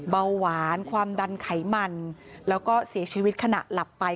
เบาหวานความดันไขมันแล้วก็เสียชีวิตขณะหลับไป